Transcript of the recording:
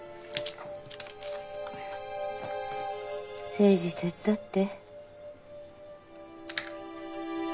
誠治手伝って。